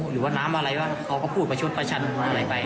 หรือว่าน้ำอะไรบ้างเขาก็พูดประชดประชันอะไรไป